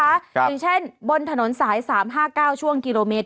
อย่างเช่นบนถนนสาย๓๕๙ช่วงกิโลเมตร